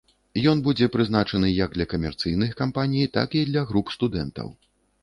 Ён будзе прызначаны як для камерцыйных кампаній, так і для груп студэнтаў.